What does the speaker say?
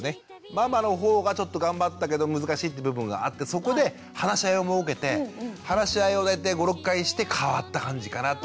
ママのほうがちょっと頑張ったけど難しいって部分があってそこで話し合いを設けて話し合いを大体５６回して変わった感じかなっていう。